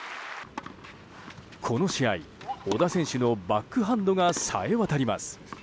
この試合、小田選手のバックハンドがさえわたります。